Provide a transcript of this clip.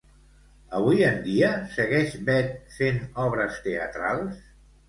Avui en dia segueix Beth fent obres teatrals?